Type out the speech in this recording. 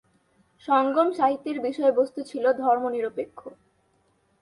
সঙ্গম সাহিত্যের বিষয়বস্তু ছিল ধর্মনিরপেক্ষ।